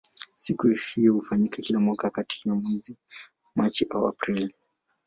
Siku hiyo hufanyika kila mwaka katika mwezi wa Machi au Aprili.